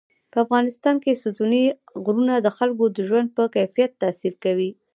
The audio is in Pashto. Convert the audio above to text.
په افغانستان کې ستوني غرونه د خلکو د ژوند په کیفیت تاثیر کوي.